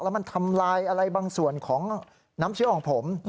แล้วมันทำลายอะไรบางส่วนของน้ำเชื้อของผม